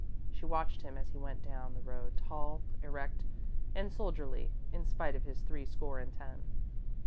She watched him as he went down the road, tall, erect, and soldierly, in spite of his three score and ten.